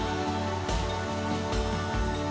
apa yang kita monérieur lalu